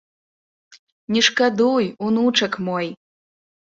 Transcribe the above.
Не шкадуй, унучак мой!